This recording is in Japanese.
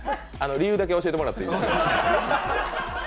理由だけ教えてもらっていいですか？